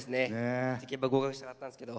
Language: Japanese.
合格したかったんですけど。